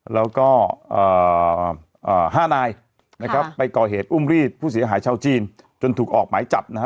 แล้วก็๕นายนะครับไปก่อเหตุอุ้มรีดผู้เสียหายชาวจีนจนถูกออกหมายจับนะฮะ